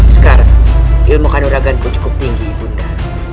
sekarang ilmu kanduraganku cukup tinggi ibu anda